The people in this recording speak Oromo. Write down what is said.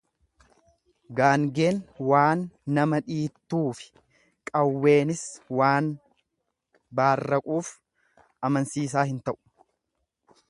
Gaangeen waan nama dhiittuufi qawweenis waan baarraquuf amansiisaa hin ta'u.